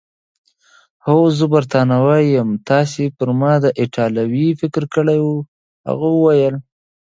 هو، زه بریتانوی یم، تاسي پر ما د ایټالوي فکر کړی وو؟ هغه وویل.